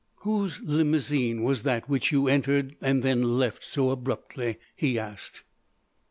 "Whose limousine was that which you entered and then left so abruptly?" he asked.